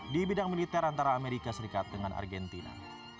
di bidang militer antara amerika serikat dengan argentina